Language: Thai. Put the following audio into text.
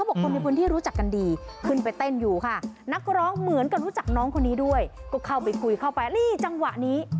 บอกคนในพื้นที่รู้จักกันดีขึ้นไปเต้นอยู่ค่ะนักร้องเหมือนกับรู้จักน้องคนนี้ด้วยก็เข้าไปคุยเข้าไปนี่จังหวะนี้